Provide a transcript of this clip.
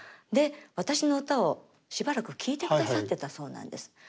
で私の歌をしばらく聴いてくださってたそうなんです。